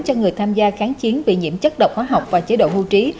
cho người tham gia kháng chiến bị nhiễm chất độc hóa học và chế độ hưu trí